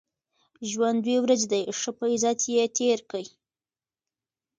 ژوند دوې ورځي دئ، ښه په عزت ئې تېر کئ!